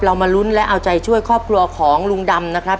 มาลุ้นและเอาใจช่วยครอบครัวของลุงดำนะครับ